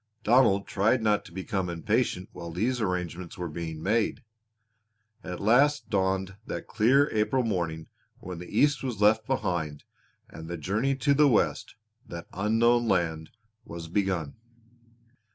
Donald tried not to become impatient while these arrangements were being made. At last dawned that clear April morning when the East was left behind and the journey to the West that unknown land was begun.